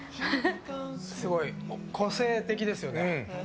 すごい個性的ですよね。